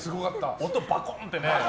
音、バコンってね。